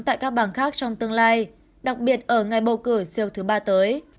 tại các bang khác trong tương lai đặc biệt ở ngày bầu cử siêu thứ ba tới